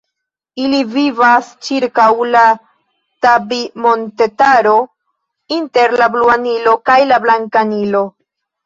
Ili vivas ĉirkaŭ la Tabi-montetaro, inter la Blua Nilo kaj la Blanka Nilo.